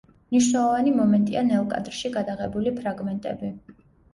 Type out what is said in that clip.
მნიშვნელოვანი მომენტია ნელ კადრში გადაღებული ფრაგმენტები.